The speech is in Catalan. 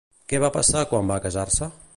Què va passar quan va casar-se?